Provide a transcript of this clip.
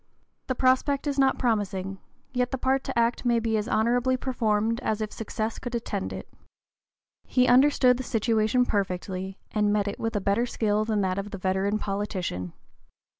The prospect is not promising; yet the part to act may be as honorably performed as if success could attend it." He understood the situation perfectly and met it with a better skill than that of the veteran politician.